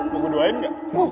mau gue doain gak